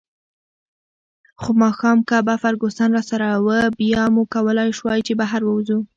خو ماښام که به فرګوسن راسره وه، بیا مو کولای شوای چې بهر ووځو.